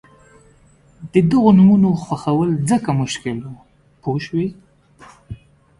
د دغو نومونو خوښول ځکه مشکل وو پوه شوې!.